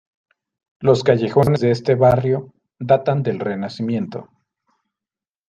Los callejones de este barrio datan del Renacimiento.